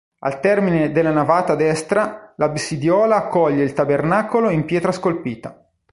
Al termine della navata destra l'absidiola accoglie il tabernacolo in pietra scolpita.